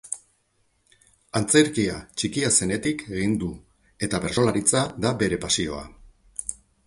Antzerkia txikia zenetik egin du eta bertsolaritza da bere pasioa.